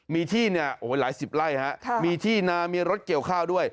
มีที่เนี่ยหลายสิบไร่มีที่นามีรถเกี่ยวข้าวด้วย